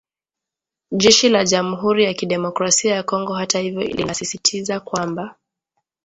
Jeshi la Jamuhuri ya Kidemokrasia ya Kongo hata hivyo linasisitiza kwamba